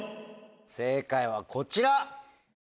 正解はこちら！